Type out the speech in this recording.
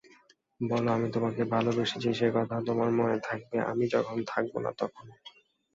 বলো, আমি তোমাকে ভালোবেসেছি সে-কথা তোমার মনে থাকবে আমি যখন থাকব না তখনও।